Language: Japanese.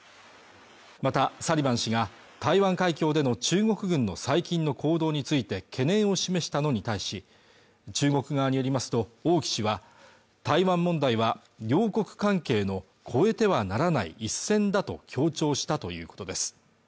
またサリバン氏が台湾海峡での中国軍の最近の行動について懸念を示したのに対し中国側によりますと王毅氏は台湾問題は両国関係の越えてはならない一線だと強調したということです